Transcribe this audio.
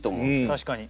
確かに。